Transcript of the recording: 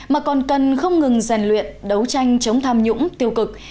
mà còn cần không ngừng rèn luyện đấu tranh chống tham nhũng tiêu cực